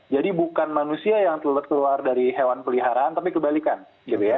jadi bukan manusia yang tertular dari hewan peliharaan tapi kebalikan gitu ya